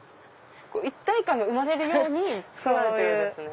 一体感が生まれるように作られてるんですね。